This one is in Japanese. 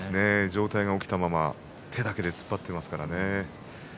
上体が起きたまま手だけで突っ張ってますからね。